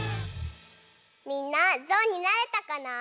みんなぞうになれたかな？